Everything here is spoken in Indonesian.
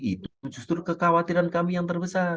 itu justru kekhawatiran kami yang terbesar